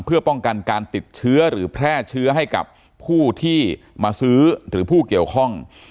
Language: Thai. เพื่อป้องกันการติดเชื้อหรือแพร่เชื้อให้กับผู้ที่มาซื้อหรือผู้เกี่ยวข้อง